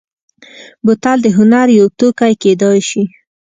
بوتل د هنر یو توکی کېدای شي.